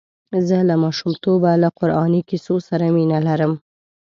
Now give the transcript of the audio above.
زه له ماشومتوبه له قراني کیسو سره مینه لرم.